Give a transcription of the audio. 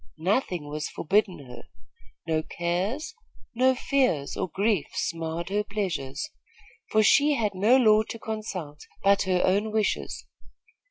Nothing was forbidden her. No cares, no fears, or griefs marred her pleasures; for she had no law to consult but her own wishes.